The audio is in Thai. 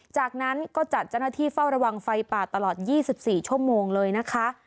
จากนั้นก็จัดเจ้าหน้าที่เฝ้าระวังไฟป่าตลอด๒๔ชั่วโมงเลยนะคะ